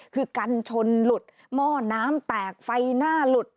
คือกันชนหลุดหม้อน้ำแตกไฟหน้าหลุด